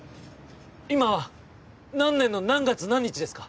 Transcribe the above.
今は何年の何月何日ですか？